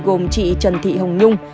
gồm chị trần thị hồng nhung